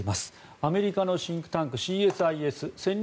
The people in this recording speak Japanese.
アメリカのシンクタンクＣＳＩＳ・戦略